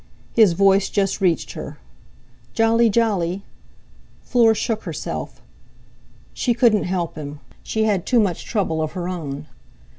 His voice just reached her. "Jolly jolly!" Fleur shook herself. She couldn't help him, she had too much trouble of her own!